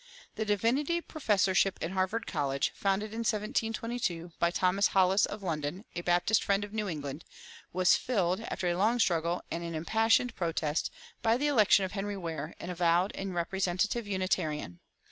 The divinity professorship in Harvard College, founded in 1722[249:1] by Thomas Hollis, of London, a Baptist friend of New England, was filled, after a long struggle and an impassioned protest, by the election of Henry Ware, an avowed and representative Unitarian.